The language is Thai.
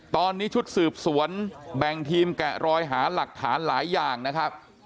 ตอนนี้ชุดสืบสวนแบ่งทีมแกะรอยหาหลักฐานหลายอย่างนะครับ